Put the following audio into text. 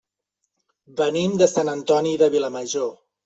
Venim de Sant Antoni de Vilamajor.